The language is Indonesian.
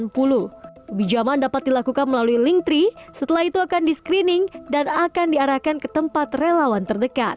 pinjaman dapat dilakukan melalui link tiga setelah itu akan di screening dan akan diarahkan ke tempat relawan terdekat